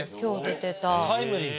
タイムリー。